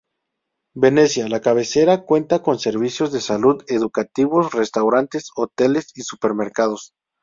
Venecia, la cabecera, cuenta con servicios de salud, educativos, restaurantes, hoteles y supermercados.